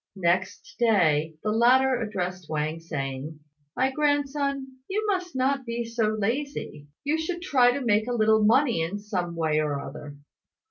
Next day, the latter addressed Wang, saying, "My grandson, you must not be so lazy. You should try to make a little money in some way or other."